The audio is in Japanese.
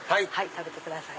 食べてください。